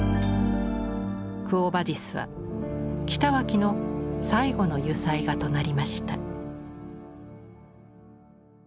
「クォ・ヴァディス」は北脇の最後の油彩画となりました。